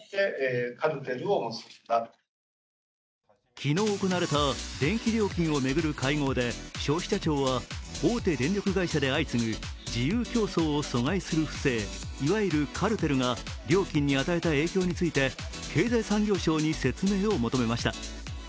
昨日行われた電気料金を巡る会合で消費者庁は大手電力会社で相次ぐ自由競争を阻害する不正、いわゆるカルテルが料金に与えた影響について経済産業省に説明を求めました。